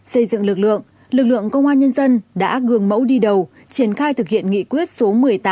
xây dựng lực lượng lực lượng công an nhân dân đã gường mẫu đi đầu triển khai thực hiện nghị quyết số